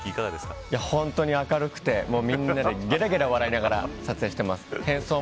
本当に明るくて、みんなでげらげら笑いながら撮影しています。